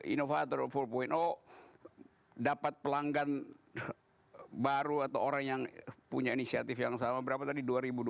innovator full point oh dapat pelanggan baru atau orang yang punya inisiatif yang sama berapa tadi